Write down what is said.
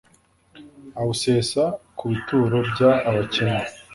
Awusesa ku bituro by abakene